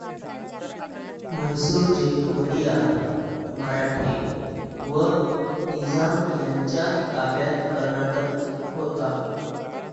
म्हैसूरचे वडियार, मराठे व निझाम यांच्या ताब्यात कर्नाटक होता.